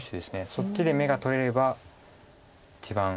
そっちで眼が取れれば一番。